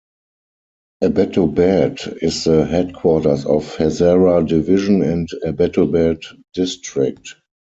Abbottabad is the headquarters of Hazara Division and Abbottabad District.